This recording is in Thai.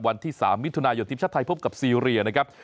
วันที่๓มิถุนายนทีมชาติไทยพบกับซีเรียนะครับ